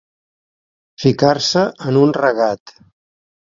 Ficar-se en un regat.